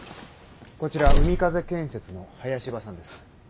こちら海風建設の林葉さんです。